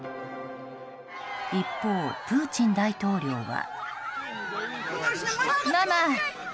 一方、プーチン大統領は。